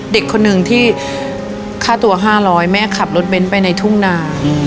เด็กคนหนึ่งที่ค่าตัว๕๐๐แม่ขับรถเบ้นไปในทุ่งนา